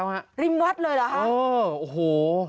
ฮะริมวัดเลยหรออ๋อโอ้โห